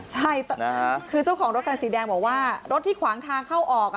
ใช่คือเจ้าของรถคันสีแดงบอกว่ารถที่ขวางทางเข้าออก